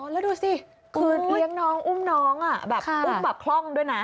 แล้วดูสิคือเลี้ยงน้องอุ้มน้องแบบอุ้มแบบคล่องด้วยนะ